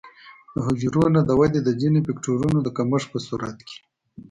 د حجرو د نه ودې د ځینو فکټورونو د کمښت په صورت کې.